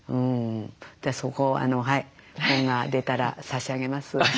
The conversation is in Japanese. そこをはい本が出たら差し上げます。